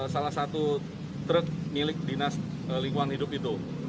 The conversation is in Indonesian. salah satu truk milik dinas lingkungan hidup itu